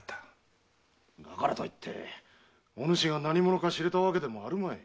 だからと言ってお主が何者か知れたわけでもあるまい。